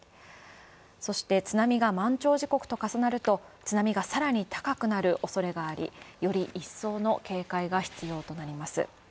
そして津波が満潮時刻と重なると津波がさらに高くなるおそれがありより一層の警戒が必要となります。